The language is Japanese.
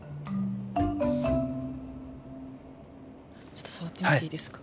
ちょっと触ってみていいですか？